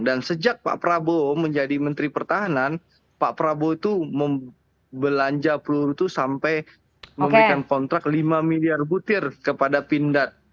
sejak pak prabowo menjadi menteri pertahanan pak prabowo itu belanja peluru itu sampai memberikan kontrak lima miliar butir kepada pindad